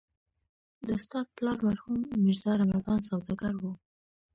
د استاد پلار مرحوم ميرزا رمضان سوداګر و.